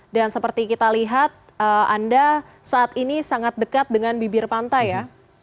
dan seperti kita lihat anda saat ini sangat dekat dengan bibir pantai ya